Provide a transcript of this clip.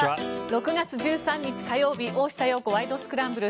６月１３日、火曜日「大下容子ワイド！スクランブル」。